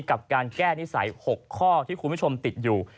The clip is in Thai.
กับการแก้นิสัย๖ข้อที่คุณผู้ชมติดอยู่